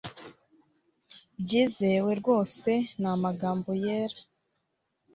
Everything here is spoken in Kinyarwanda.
byizewe rwose n'amagambo yera